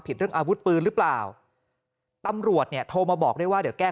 เรื่องอาวุธปืนหรือเปล่าตำรวจเนี่ยโทรมาบอกได้ว่าเดี๋ยวแก้